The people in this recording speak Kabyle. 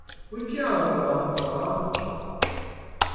Wi k-iɛeṛḍen ɣer tmeɣṛa?